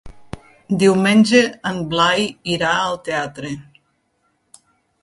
Diumenge en Blai irà al teatre.